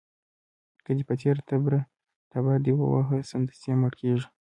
که په دې تېره تبر دې وواهه، سمدستي مړ کېږي.